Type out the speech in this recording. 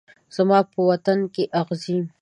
زما په وطن کې اغزي